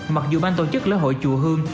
mặc dù ban tổ chức lễ hội chùa hương